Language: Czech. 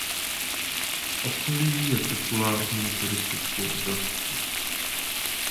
Okolí je populární turistickou oblastí.